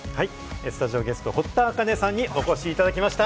スタジオゲスト、堀田茜さんにお越しいただきました。